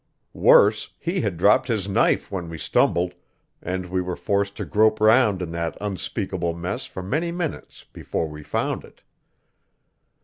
Worse, he had dropped his knife when we stumbled, and we were forced to grope round in that unspeakable mess for many minutes before we found it.